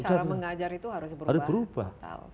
cara mengajar itu harus berubah